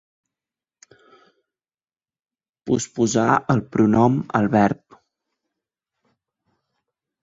Posposar el pronom al verb.